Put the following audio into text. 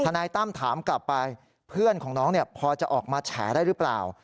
นายตั้มถามกลับไปเพื่อนของน้องพอจะออกมาแฉได้หรือเปล่า